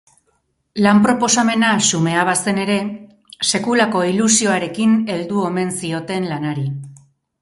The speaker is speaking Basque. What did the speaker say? Lan-proposamena xumea bazen ere, sekulako ilusioarekin heldu omen zioten lanari.